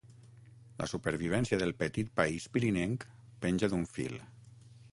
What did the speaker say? La supervivència del petit país pirinenc penja d’un fil.